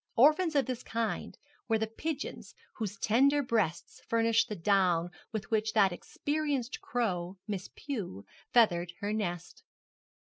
Orphans of this kind were the pigeons whose tender breasts furnished the down with which that experienced crow, Miss Pew, feathered her nest.